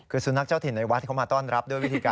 คือสุนัขเจ้าถิ่นในวัดเขามาต้อนรับ